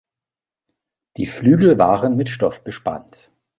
Die Flügel waren mit Stoff bespannt.